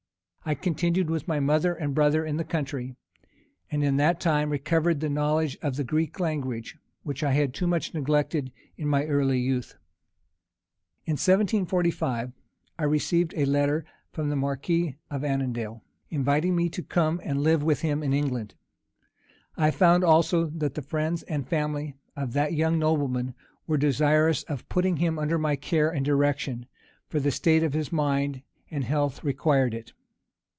I continued with my mother and brother in the country, and in that time recovered the knowledge of the Greek language, which I had too much neglected in my early youth. In 1745, I received a letter from the marquis of Annandale, inviting me to come and live with him in England; I found also that the friends and family of that young nobleman were desirous of putting him under my care and direction, for the state of his mind and health required it.